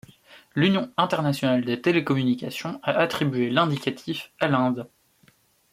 L'Union internationale des télécommunications a attribué l'indicatif à l'Inde.